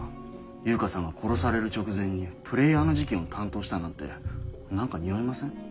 悠香さんが殺される直前にプレイヤーの事件を担当したなんて何かにおいません？